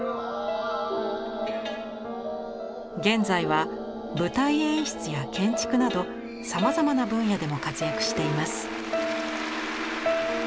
現在は舞台演出や建築などさまざまな分野でも活躍しています。